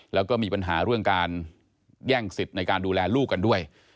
แล้วก็มีปัญหาเรื่องการแย่งสิทธิ์ในการดูแลลูกกันด้วย